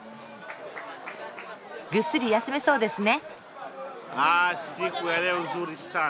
ぐっすり休めそうですね。